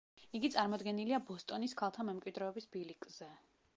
იგი წარმოდგენილია ბოსტონის ქალთა მემკვიდრეობის ბილიკზე.